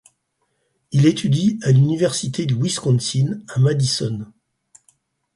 Il étudie à l'Université du Wisconsin à Madison.